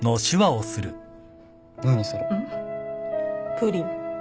プリン。